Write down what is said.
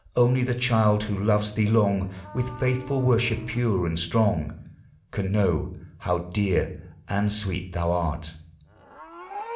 Only the child who loves thee long, With faithful worship pure and strong, Can know how dear and sweet thou art.